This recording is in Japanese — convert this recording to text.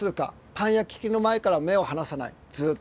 パン焼き器の前から目を離さないずっと。